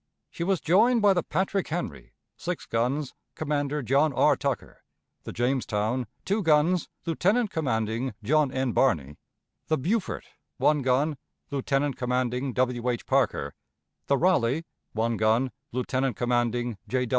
She was joined by the Patrick Henry, six guns, Commander John R. Tucker; the Jamestown, two guns. Lieutenant commanding John N. Barney; the Beaufort, one gun, Lieutenant commanding W. H. Parker; the Raleigh, one gun, Lieutenant commanding J.